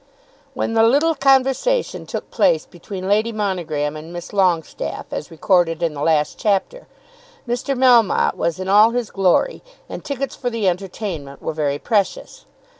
When the little conversation took place between Lady Monogram and Miss Longestaffe, as recorded in the last chapter, Mr. Melmotte was in all his glory, and tickets for the entertainment were very precious.